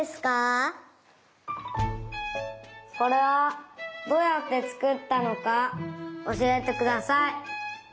それはどうやってつくったのかおしえてください。